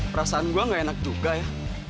perasaan gue gak enak juga ya